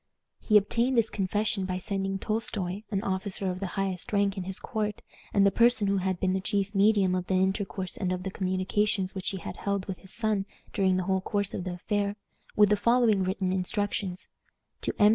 He obtained this confession by sending Tolstoi, an officer of the highest rank in his court, and the person who had been the chief medium of the intercourse and of the communications which he had held with his son during the whole course of the affair, with the following written instructions: "To M.